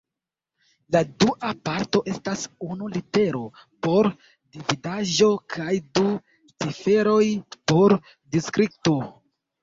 La dua parto estas unu litero por dividaĵo kaj du ciferoj por distrikto.